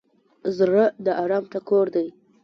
زړه د ارام ټکور دی.